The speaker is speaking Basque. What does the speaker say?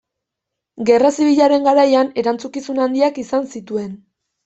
Gerra Zibilaren garaian erantzukizun handiak izan zituen.